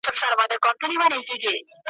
دلته کیسې د شاپېریو د بدریو کېدې ,